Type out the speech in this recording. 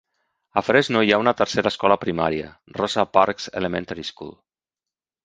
A Fresno hi ha una tercera escola primària, Rosa Parks Elementary School.